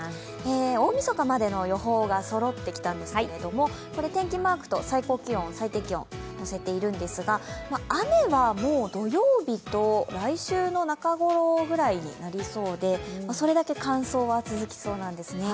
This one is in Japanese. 大みそかまでの予報がそろってきたんですけど、天気マークと最高気温、最低気温載せているんですが雨はもう土曜日と来週の中頃ぐらいになりそうでそれだけ乾燥が続きそうなんですね。